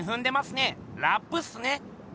ラップっすね。